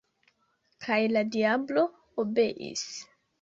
» kaj la diablo obeis.